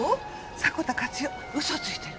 迫田勝代嘘ついてる。